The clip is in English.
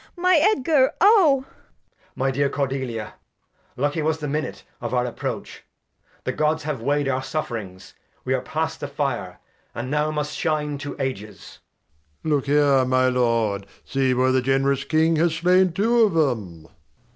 Cord. My Edgar, O ! Edg. My dear Cordelia ! Lucky was the Minute Of our Approach, the Gods have weigh'd our Suff' rings ; W are past the Fire, and now must shine to Ages. Gent. Look here, my Lord, see where the generous King Has slain two of 'em.